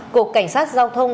cục cảnh sát giao thông